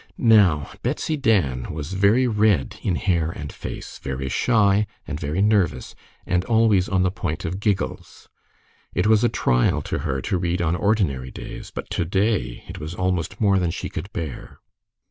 Now, Betsy Dan was very red in hair and face, very shy and very nervous, and always on the point of giggles. It was a trial to her to read on ordinary days, but to day it was almost more than she could bear.